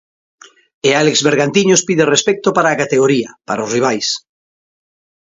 E Álex Bergantiños pide respecto para a categoría, para os rivais.